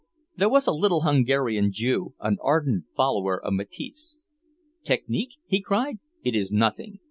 There was a little Hungarian Jew, an ardent follower of Matisse. "Technique?" he cried. "It is nothing!